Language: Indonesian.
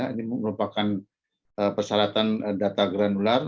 ini merupakan persyaratan data granular